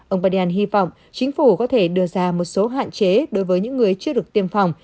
ông biden hy vọng chính phủ có thể đưa ra một số hạn chế đối với những người chưa được tiêm phòng